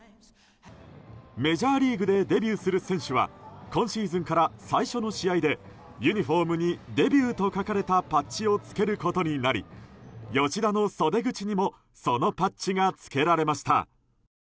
メジャーリーグでデビューする選手は今シーズンから最初の試合でユニホームに「ＤＥＢＵＴ」と書かれたバッジを着けることになり吉田の袖口にもそのパッチが着けられました。